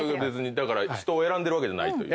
人を選んでるわけじゃないという。